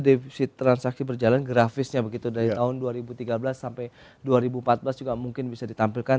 defisit transaksi berjalan grafisnya begitu dari tahun dua ribu tiga belas sampai dua ribu empat belas juga mungkin bisa ditampilkan